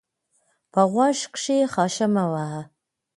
په غوږ کښي خاشه مه وهه!